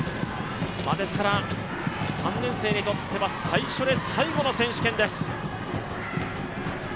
ですから３年生にとっては最初で最後の選手権です。